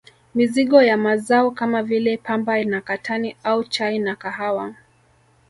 Mizigo ya Mazao kama vile Pamba na katani au chai na kahawa